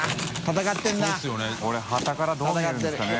これはたからどう見えるんですかね？